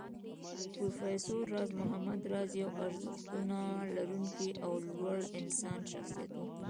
پروفېسر راز محمد راز يو ارزښتونه لرونکی او لوړ انساني شخصيت و